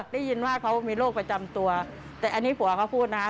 ได้ยินว่าเขามีโรคประจำตัวแต่อันนี้ผัวเขาพูดนะคะ